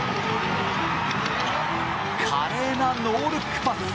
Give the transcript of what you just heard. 華麗なノールックパス。